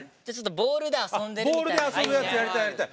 ボールで遊ぶやつやりたいやりたい。